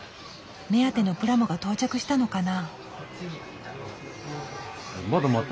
目当てのプラモが到着したのかな？